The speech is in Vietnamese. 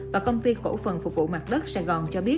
và công ty khổ phần phục vụ mặt đất sài gòn